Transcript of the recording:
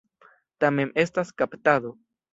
Tamen estas kaptado.